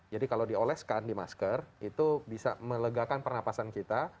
jadi kalau dioleskan di masker itu bisa melegakan pernafasan kita